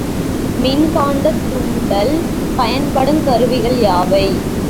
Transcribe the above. மின்காந்தத் தூண்டல் பயன்படுங் கருவிகள் யாவை?